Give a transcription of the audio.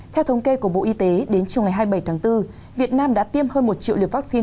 theo thống kê của bộ y tế đến chiều ngày hai mươi bảy tháng bốn việt nam đã tiêm hơn một triệu liều vaccine